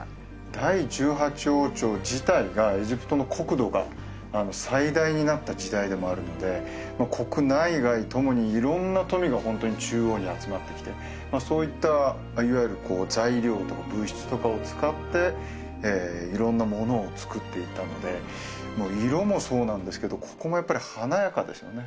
第１８王朝自体がエジプトの国土が最大になった時代でもあるので国内外ともに色んな富がホントに中央に集まってきてまあそういったいわゆるこう材料とか物質とかを使って色んなものを作っていったのでもう色もそうなんですけどここもやっぱり華やかですよね